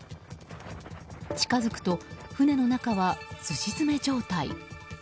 近づくと、船の中はすし詰め状態。